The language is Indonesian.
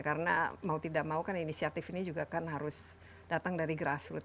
karena mau tidak mau kan inisiatif ini juga kan harus datang dari grassroot